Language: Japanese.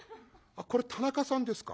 「これ田中さんですか。